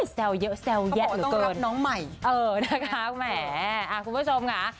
แซวเยอะแซวแยะเหรอเกินเออนะคะแหมคุณผู้ชมค่ะ